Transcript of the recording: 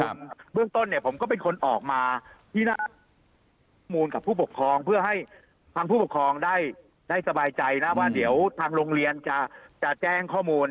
ซึ่งเบื้องต้นเนี่ยผมก็เป็นคนออกมาที่หน้ามูลกับผู้ปกครองเพื่อให้ทางผู้ปกครองได้สบายใจนะว่าเดี๋ยวทางโรงเรียนจะแจ้งข้อมูล